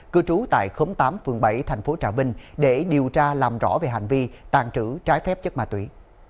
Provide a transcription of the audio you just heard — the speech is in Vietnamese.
cư trú tại khống tám phường bảy thành phố trà vinh để điều tra làm rõ về hành vi tàn trữ trái phép chất ma túy